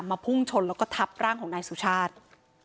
พุ่งชนแล้วก็ทับร่างของนายสุชาติ